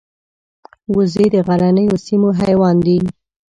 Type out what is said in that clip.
وزې د غرنیو سیمو حیوان دي